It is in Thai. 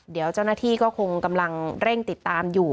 เดี๋ยวเจ้าหน้าที่ก็คงกำลังเร่งติดตามอยู่